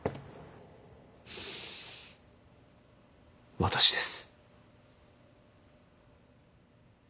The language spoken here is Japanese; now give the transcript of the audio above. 私です。